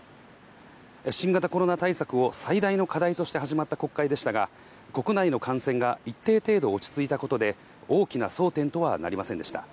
新型コロナ対策を最大の課題として始まった国会でしたが、国内の感染が一定程度落ち着いたことで、大きな争点とはなりませんでした。